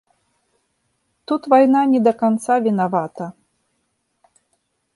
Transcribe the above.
Тут вайна не да канца вінавата.